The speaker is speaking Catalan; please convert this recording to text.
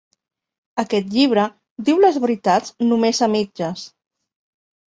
Aquest llibre diu les veritats només a mitges.